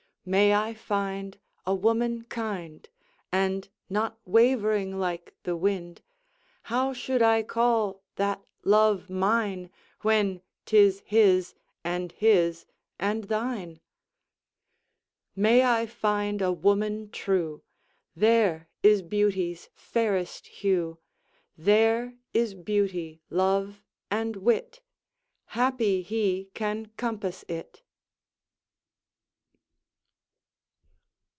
May I find a woman kind, And not wavering like the wind: How should I call that love mine, When 'tis his, and his, and thine? May I find a woman true, There is beauty's fairest hue, There is beauty, love, and wit: Happy he can compass it!